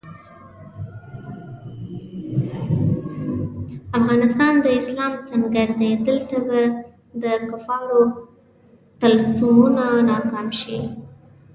افغانستان د اسلام سنګر دی، دلته به د کفارو طلسمونه ناکام شي.